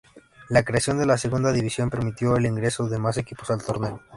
La creación de la segunda división permitió el ingreso de más equipos al torneo.